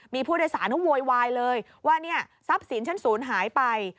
มีผู้โดยสารเขาโวยวายเลยว่าเนี่ยทรัพย์สินฉันศูนย์หายไป